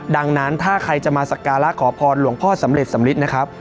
ดังนั้นถ้าใครจะมาสักการะขอพรหลวงพ่อสำเร็จสำลิดนะครับ